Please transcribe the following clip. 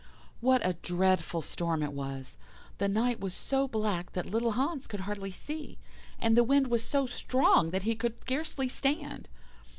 "What a dreadful storm it was! The night was so black that little Hans could hardly see, and the wind was so strong that he could scarcely stand.